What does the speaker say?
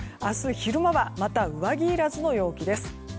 昼間はまた上着いらずの陽気です。